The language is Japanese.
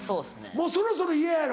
もうそろそろ嫌やろ？